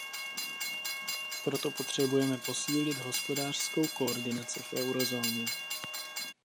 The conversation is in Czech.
Proto potřebujeme posílit hospodářskou koordinaci v eurozóně.